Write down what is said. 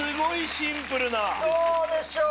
どうでしょう？